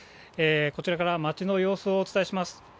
こちらから街の様子をお伝えします。